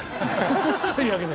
というわけで。